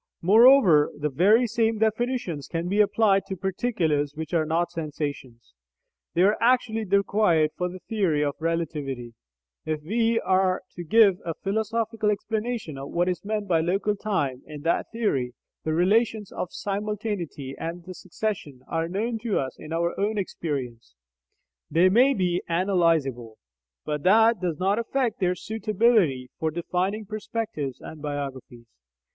Moreover, the very same definitions can be applied to particulars which are not sensations. They are actually required for the theory of relativity, if we are to give a philosophical explanation of what is meant by "local time" in that theory The relations of simultaneity and succession are known to us in our own experience; they may be analysable, but that does not affect their suitability for defining perspectives and biographies.